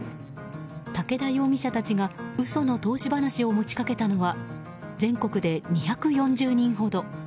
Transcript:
武田容疑者たちが嘘の投資話を持ち掛けたのは全国で２４０人ほど。